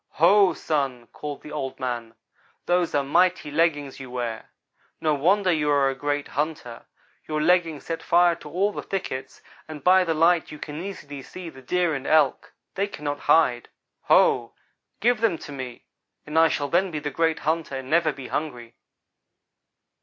"'Ho, Sun!' called Old man, 'those are mighty leggings you wear. No wonder you are a great hunter. Your leggings set fire to all the thickets, and by the light you can easily see the Deer and Elk; they cannot hide. Ho! Give them to me and I shall then be the great hunter and never be hungry.'